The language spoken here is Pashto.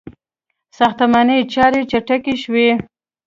• ساختماني چارې چټکې شوې.